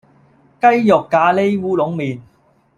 雞肉咖哩烏龍麵